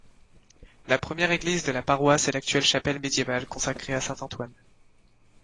La première église de la paroisse est l’actuelle chapelle médiévale consacrée à Saint-Antoine.